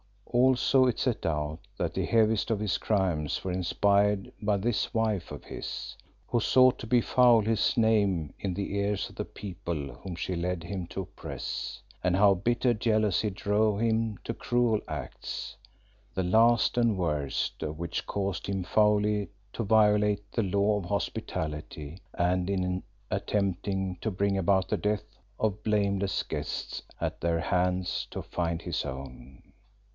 Also it set out that the heaviest of his crimes were inspired by this wife of his, who sought to befoul his name in the ears of the people whom she led him to oppress, and how bitter jealousy drove him to cruel acts, the last and worst of which caused him foully to violate the law of hospitality, and in attempting to bring about the death of blameless guests at their hands to find his own.